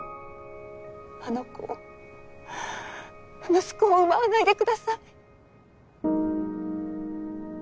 あの子を息子を奪わないでください。